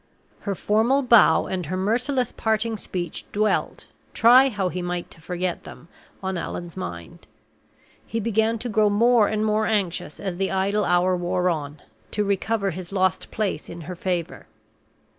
Her formal bow and her merciless parting speech dwelt, try how he might to forget them, on Allan's mind; he began to grow more and more anxious as the idle hour wore on, to recover his lost place in her favor.